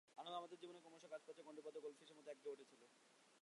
আমাদের জীবনও ক্রমশ কাঁচপাত্রে গণ্ডীবদ্ধ গোল্ডফিশের মতো একঘেয়ে হয়ে উঠছিল।